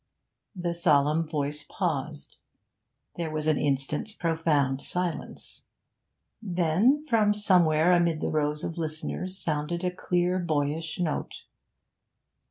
The solemn voice paused. There was an instant's profound silence. Then, from somewhere amid the rows of listeners, sounded a clear, boyish note.